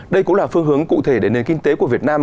đây cũng là phương hướng cụ thể để nền kinh tế của việt nam